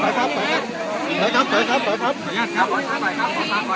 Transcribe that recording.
แต่ตอนนี้เป็นบรรยากาศเปลืองสวยเลยนะครับ